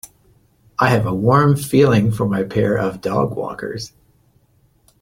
I have a warm feeling for my pair of dogwalkers.